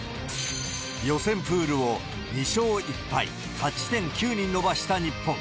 予選プールを２勝１敗、勝ち点９に伸ばした日本。